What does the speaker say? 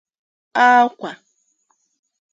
àkwà